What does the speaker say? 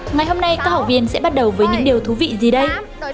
ngày hôm nay các học viên sẽ bắt đầu với những điều thú vị gì đây